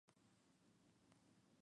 Actualmente residen en Hollywood Hills.